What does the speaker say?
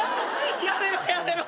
やめろやめろ。